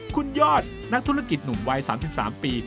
คุณยอดนักธุรกิจหนุ่มวัย๓๓ปี